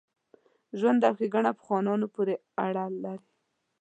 ژوند او ښېګڼه په خانانو پوري اړه لري.